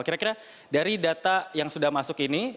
kira kira dari data yang sudah masuk ini